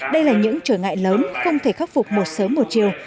đây là những trở ngại lớn không thể khắc phục một sớm một chiều